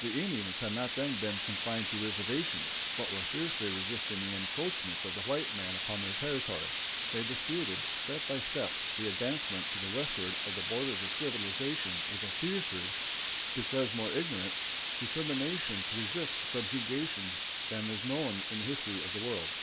The Indians had not then been confined to reservations, but were fiercely resisting the encroachments of the white men upon their territory. They disputed, step by step, the advancement to the westward of the borders of civilization with a fiercer, because more ignorant, determination to resist subjugation than is known in the history of the world.